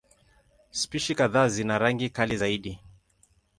Spishi kadhaa zina rangi kali zaidi.